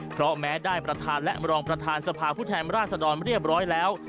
เพราะแม้ได้ประธานและรองประธานสภาผู้แทนราชดรเรียบร้อยแล้ว